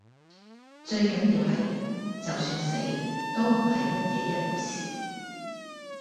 最緊要係，就算死都唔係乜嘢一回事。